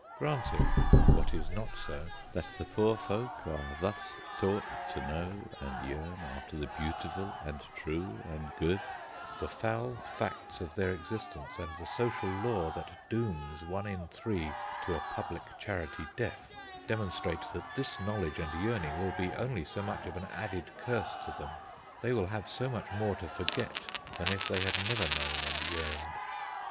Granting (what is not so) that the poor folk are thus taught to know and yearn after the Beautiful and True and Good, the foul facts of their existence and the social law that dooms one in three to a public charity death, demonstrate that this knowledge and yearning will be only so much of an added curse to them. They will have so much more to forget than if they had never known and yearned.